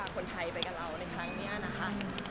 คนไทยไปกับเราในครั้งนี้นะคะ